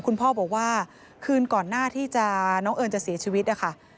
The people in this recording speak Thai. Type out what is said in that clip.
คุณพ่อบอกว่าคืนก่อนหน้าที่น้องเอิญจะเสียชีวิตนะคะ